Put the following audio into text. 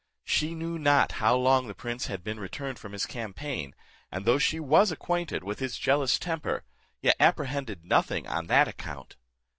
She knew not how long the prince had been returned from his campaign, and though she was acquainted with his jealous temper, yet apprehended nothing on that account.